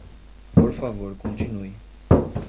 Por favor continue.